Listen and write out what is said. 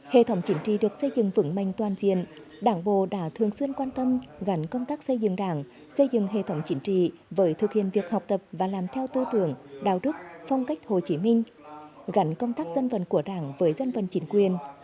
hệ thống chính trị được xây dựng vững mạnh toàn diện đảng bộ đã thường xuyên quan tâm gắn công tác xây dựng đảng xây dựng hệ thống chính trị với thực hiện việc học tập và làm theo tư tưởng đạo đức phong cách hồ chí minh gắn công tác dân vận của đảng với dân vận chính quyền